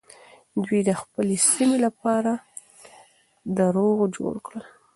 دوی د خپلې سيمې لپاره دروغ جوړ کړل.